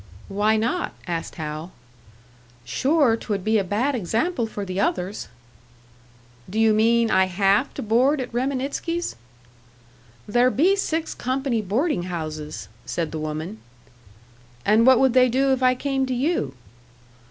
"Why not?" asked Hal. "Sure, 't would be a bad example for the others." "Do you mean I have to board at Reminitsky's?" "There be six company boardin' houses," said the woman. "And what would they do if I came to you?"